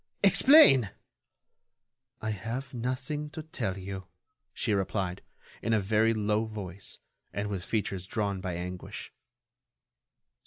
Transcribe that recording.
Explain!" "I have nothing to tell you," she replied, in a very low voice, and with features drawn by anguish.